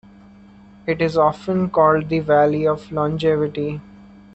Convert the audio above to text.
It is often called the "Valley of Longevity".